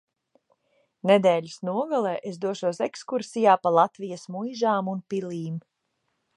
Nedēļas nogalē es došos ekskursijā pa Latvijas muižām un pilīm.